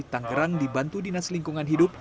tanggerang dibantu dinas lingkungan hidup